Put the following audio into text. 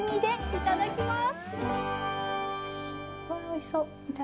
いただきます。